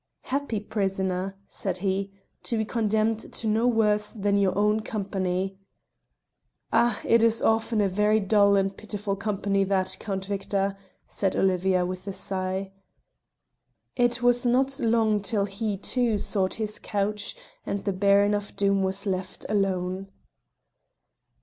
"Happy prisoner!" said he, "to be condemned to no worse than your own company." "Ah! it is often a very dull and pitiful company that, Count Victor," said Olivia, with a sigh. It was not long till he, too, sought his couch, and the Baron of Doom was left alone.